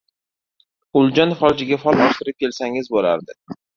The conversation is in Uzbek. Uljon folchiga fol ochirib kelsangiz bo‘lardi.